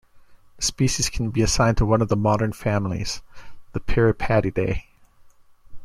The species can be assigned to one of the modern families, the Peripatidae.